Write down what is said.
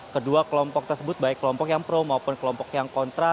kedua kelompok tersebut baik kelompok yang pro maupun kelompok yang kontra